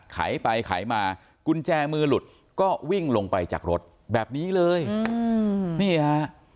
ไขไปไขมากุญแจมือหลุดก็วิ่งลงไปจากรถแบบนี้เลยนี่ฮะ